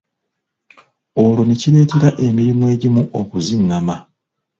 Olwo ne kireetera emirimu egimu okuzingama.